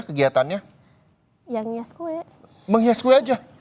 kegiatannya yang ngias kue mengges kue aja awalnya awalnya kepikiran bikin